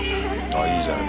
あいいじゃない。